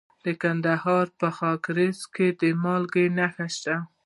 د کندهار په خاکریز کې د مالګې نښې شته.